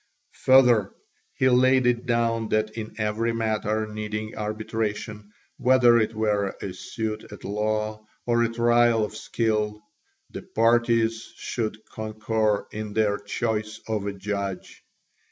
Further, he laid it down that in every matter needing arbitration, whether it were a suit at law or a trial of skill, the parties should concur in their choice of a judge.